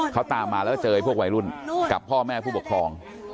เขาตามมาแล้วเจอไวรุ่นกับพ่อแม่ภูมิบทอง